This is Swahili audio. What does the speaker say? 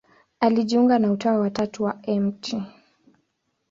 Alijiunga na Utawa wa Tatu wa Mt.